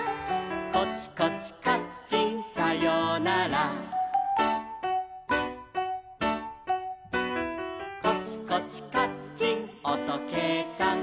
「コチコチカッチンさようなら」「コチコチカッチンおとけいさん」